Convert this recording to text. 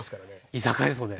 居酒屋ですもんね。